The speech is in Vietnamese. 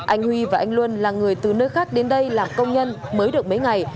anh huy và anh luân là người từ nơi khác đến đây làm công nhân mới được mấy ngày